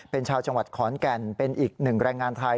เป็นชาวจังหวัดขอนแก่นเป็นอีกหนึ่งแรงงานไทย